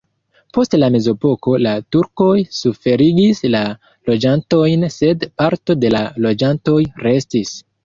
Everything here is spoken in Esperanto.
Post la mezepoko la turkoj suferigis la loĝantojn, sed parto de la loĝantoj restis.